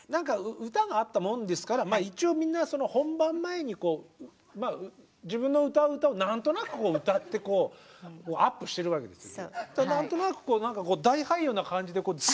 歌があったもんですから一応みんな本番前に自分の歌う歌を何となく歌ってアップしてるわけですよ。